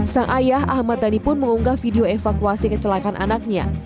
sang ayah ahmad dhani pun mengunggah video evakuasi kecelakaan anaknya